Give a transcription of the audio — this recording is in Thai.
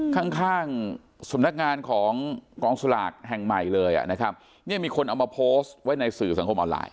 ข้างข้างสำนักงานของกองสลากแห่งใหม่เลยอ่ะนะครับเนี่ยมีคนเอามาโพสต์ไว้ในสื่อสังคมออนไลน